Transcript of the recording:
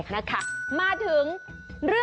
โอเคโอเคโอเค